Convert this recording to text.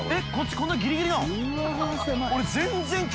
こんなギリギリなの？